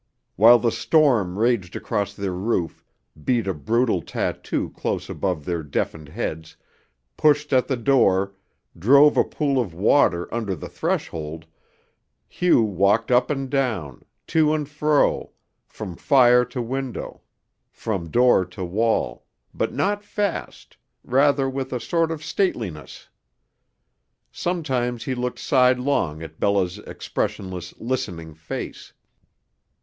While the storm raged across their roof, beat a brutal tattoo close above their deafened heads, pushed at the door, drove a pool of water under the threshold, Hugh walked up and down, to and fro, from fire to window, from door to wall, but not fast, rather with a sort of stateliness. Sometimes he looked sidelong at Bella's expressionless, listening face.